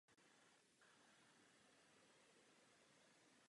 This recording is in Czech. Záleží také na používané verzi prohlížeče.